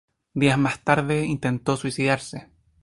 Días más tarde, intentó suicidarse.